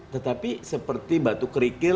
tetapi seperti batu kerikil